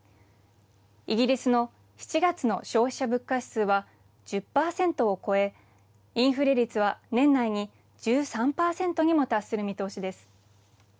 イギリスの７月の消費者物価指数は１０％を超えインフレ率は年内に１３％にも達する見通しです。